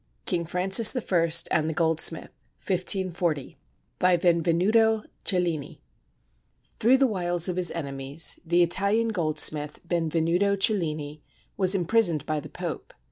KING FRANCIS I AND THE GOLDSMITH BY BENVENUTO CELLINI [Through the wiles of his enemies, the Italian goldsmith, Benvenuto Cellini, was imprisoned by the Pope.